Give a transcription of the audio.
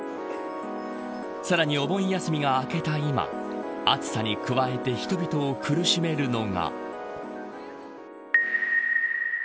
さらに、お盆休みが明けた今暑さに加えて人々を苦しめるのが。